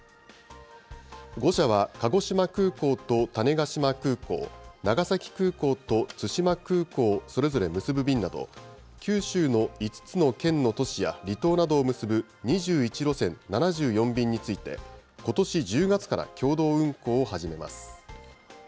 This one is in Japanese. ５社は鹿児島空港と種子島空港、長崎空港と対馬空港をそれぞれ結ぶ便など、九州の５つの県の都市や離島などを結ぶ２１路線７４便について、ことし１０月から共同運航を始めます。